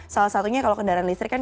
salah satunya kalau kendaraan listrik kan